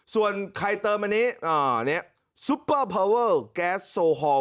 ส่วนใครเติมอันนี้ซุปเปอร์พาวเวอร์แก๊สโซฮอล